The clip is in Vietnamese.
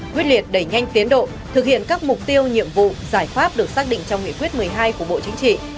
quyết liệt đẩy nhanh tiến độ thực hiện các mục tiêu nhiệm vụ giải pháp được xác định trong nghị quyết một mươi hai của bộ chính trị